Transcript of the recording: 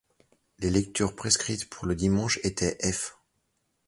Les lectures prescrites pour le dimanche étaient Eph.